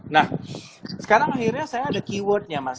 nah sekarang akhirnya saya ada keyword nya mas